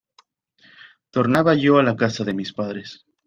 Tornaba yo a la casa de mis padres.